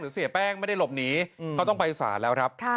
หรือเสียแป้งไม่ได้หลบหนีเขาต้องไปอุตส่าห์แล้วครับ